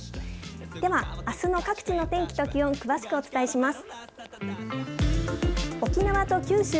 ではあすの各地の天気と気温、詳しくお伝えします。